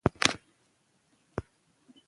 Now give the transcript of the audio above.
او هغه لازمي وجود خدائے دے -